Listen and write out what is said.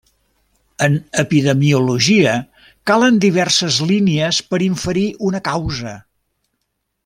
En epidemiologia, calen diverses línies per inferir una causa.